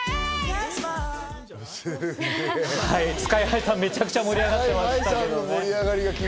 ＳＫＹ−ＨＩさん、めちゃくちゃ盛り上がってましたけどね。